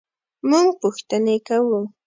مونږ پوښتنې کوو